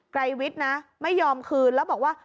ไรวิทย์นะไม่ยอมคืนแล้วบอกว่า